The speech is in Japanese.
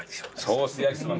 ソース焼きそば